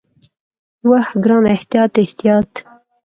وه ګرانه احتياط احتياط.